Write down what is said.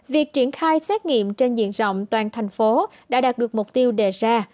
việc triển khai xét nghiệm trên diện rộng toàn thành phố đã đạt được mục tiêu đề ra